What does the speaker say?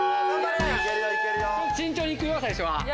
慎重に行くよ最初は。